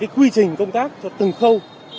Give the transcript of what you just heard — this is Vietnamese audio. quy trình công tác cho từng khâu